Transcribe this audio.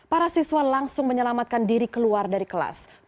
para siswa langsung menyelamatkan diri keluar dari kelas